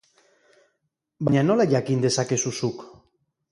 Baina nola jakin dezakezu zuk?